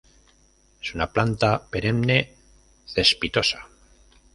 Es una planta perenne; cespitosa.